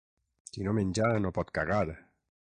Qui no menja no pot cagar.